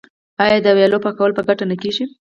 آیا د ویالو پاکول په ګډه نه کیږي؟